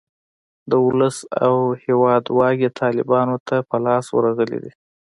د اولس او هیواد واګې طالیبانو ته په لاس ورغلې دي.